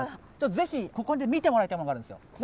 ぜひここで見てもらいたいものがあるんですよ。